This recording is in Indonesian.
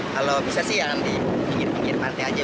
kalau bisa sih ya nanti pinggir pinggir pantai aja